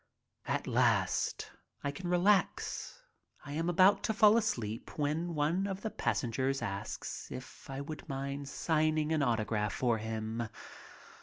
At last I can relax. I am about to fall asleep when one of the passengers asks if I would mind signing my autograph for him.